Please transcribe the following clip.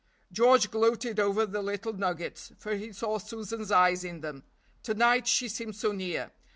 George gloated over the little nuggets, for he saw Susan's eyes in them. To night she seemed so near.